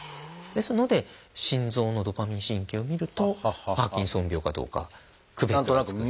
ですので心臓のドパミン神経をみるとパーキンソン病かどうか区別がつくんです。